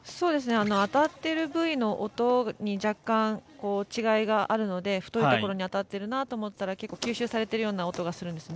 当たっている部位の音に若干違いがあるので太いところに当たっているなと思ったら結構、吸収されているような音がするんです。